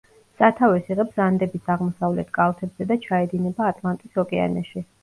სათავეს იღებს ანდების აღმოსავლეთ კალთებზე და ჩაედინება ატლანტის ოკეანეში.